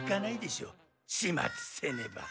始末せねば。